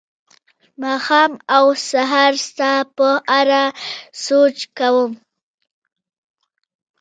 ماښام او سهار ستا په اړه سوچ کوم